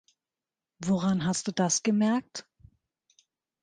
Woran hast du das gemerkt?